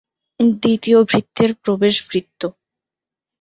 দ্বিতীয় ভৃত্যের প্রবেশ ভৃত্য।